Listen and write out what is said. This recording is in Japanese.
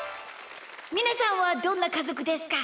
みなさんはどんなかぞくですか？